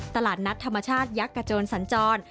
ตลาดนัดธรรมชาติยักษ์กระโจนสัญจร